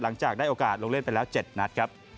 หลังจากได้โอกาสลงเล่นไปแล้ว๗นัดครับ